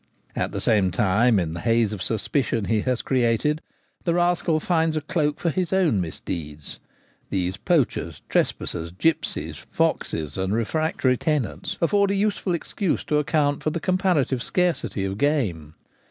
At the same time, in the haze of suspicion he has created, the rascal finds a cloak for his own misdeeds. These poachers, trespassers, gipsies, foxes, and refrac tory tenants afford a useful excuse to account for the comparative scarcity of game.